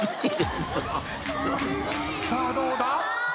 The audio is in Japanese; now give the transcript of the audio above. さあどうだ？